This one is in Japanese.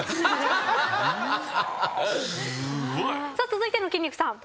続いての筋肉さん。